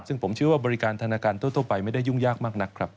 ซึ่งผมเชื่อว่าบริการธนาคารทั่วไปไม่ได้ยุ่งยากมากนักครับ